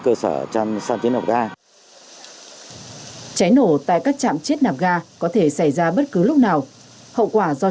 cơ sở săn chiến nạp ga cháy nổ tại các trạm chiết nạp ga có thể xảy ra bất cứ lúc nào hậu quả do